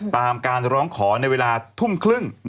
ตามการร้องขอในเวลาทุ่มครึ่ง